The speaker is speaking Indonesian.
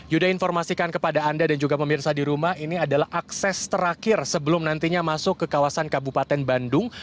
yuda informasikan kepada anda dan juga pemirsa di rumah ini adalah akses terakhir sebelum nantinya masuk ke kawasan kabupaten bandung